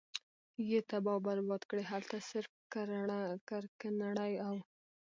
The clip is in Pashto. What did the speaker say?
ئي تباه او برباد کړې!! هلته صرف کرکنړي او